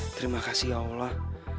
terima kasih ya allah